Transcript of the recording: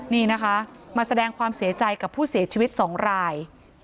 นี่นะคะมาแสดงความเสียใจกับผู้เสียชีวิต๒ราย